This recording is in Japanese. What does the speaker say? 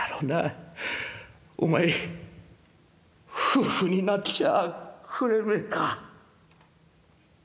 お前夫婦になっちゃあくれめえか」。